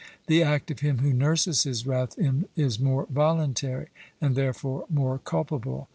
The act of him who nurses his wrath is more voluntary, and therefore more culpable.